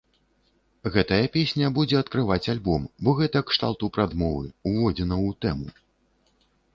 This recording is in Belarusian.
Гэтая песня будзе адкрываць альбом, бо гэта кшталту прадмовы, уводзінаў у тэму.